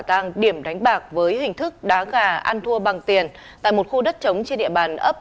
tàng điểm đánh bạc với hình thức đá gà ăn thua bằng tiền tại một khu đất trống trên địa bàn ấp